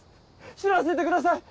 死なせてください。